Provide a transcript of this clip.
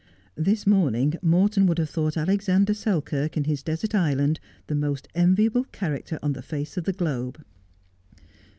This morning Morton would have thought Alexander Selkirk in his desert island the most enviable character on the face of the globe.